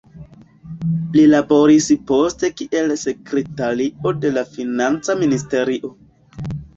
Li laboris poste kiel sekretario de la Financa ministerio.